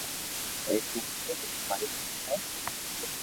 ايڪ ھون ھون ايڪ ماري ڀيئير ھي